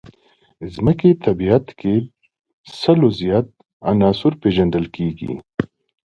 ځمکې طبیعت کې سلو زیات عناصر پېژندلي.